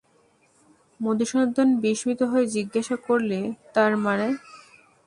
মধুসূদন বিস্মিত হয়ে জিজ্ঞাসা করলে, তার মানে?